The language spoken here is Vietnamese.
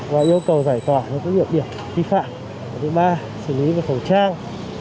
và yêu cầu giải tỏa những địa điểm vi phạm thứ ba xử lý về khẩu trang